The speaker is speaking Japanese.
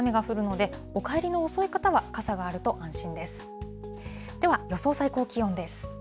では予想最高気温です。